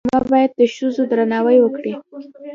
ډرامه باید د ښځو درناوی وکړي